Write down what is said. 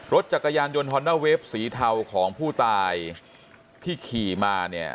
รถจักรยานยนต์ฮอนด้าเวฟสีเทาของผู้ตายที่ขี่มาเนี่ย